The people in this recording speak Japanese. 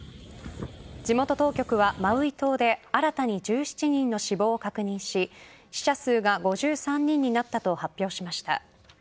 地元当局は、マウイ島で新たに１７人の死亡を確認し死者数が５３人になったと発表しました。